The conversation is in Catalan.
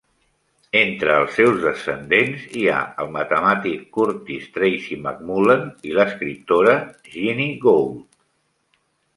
Entre els seus descendents hi ha el matemàtic Curtis Tracy McMullen i l'escriptora Jeanie Gould.